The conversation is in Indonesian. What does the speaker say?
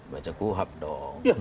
baca kuhap dong